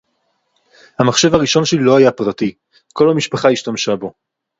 המחשב הראשון שלי לא היה פרטי. כל המשפחה השתמשה בו.